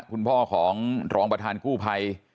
คุณพ่อของรองประธานกู้ภัย